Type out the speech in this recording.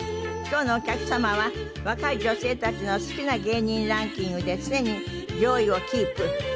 今日のお客様は若い女性たちの好きな芸人ランキングで常に上位をキープ。